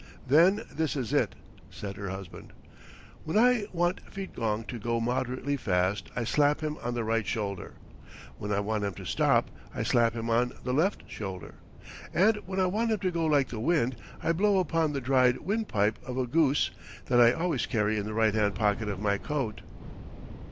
"Then this is it," said her husband. "When I want Feetgong to go moderately fast I slap him on the right shoulder; when I want him to stop I slap him on the left shoulder, and when I want him to go like the wind I blow upon the dried windpipe of a goose that I always carry in the right hand pocket of my coat."